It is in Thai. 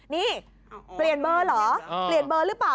นี่เปลี่ยนเบอร์เหรอเปลี่ยนเบอร์หรือเปล่า